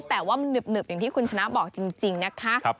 แต่ว่ามันหนึบอย่างที่คุณชนะบอกจริงนะคะ